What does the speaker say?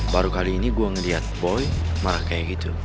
baru kali ini gue ngeliat boy marah kayak gitu